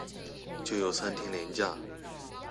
就有三天連假